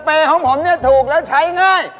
บอดี้สเปย์ของผมถูกแล้วใช้ง่าย